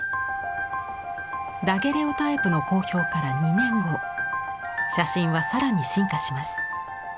ダゲレオタイプの公表から２年後写真は更に進化します。